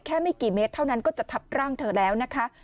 ไม่กี่เมตรเท่านั้นก็จะทับร่างเธอแล้วนะคะ